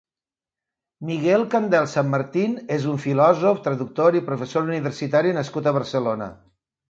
Miguel Candel Sanmartín és un filòsof, traductor i professor universitari nascut a Barcelona.